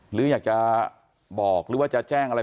หรืออยากจะบอกหรือว่าจะแจ้งอะไร